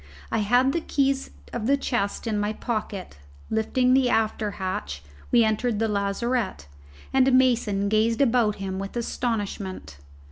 I had the keys of the chests in my pocket: lifting the after hatch, we entered the lazarette, and Mason gazed about him with astonishment.